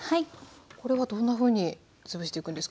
これはどんなふうに潰していくんですか？